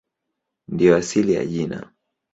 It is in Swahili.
Ndiyo asili ya jina.